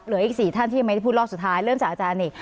เหลืออีก๔ท่านที่ยังไม่ได้พูดรอบสุดท้ายเริ่มจากอาจารย์อีก